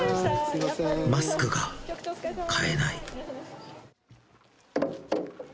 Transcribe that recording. マスクが買えない。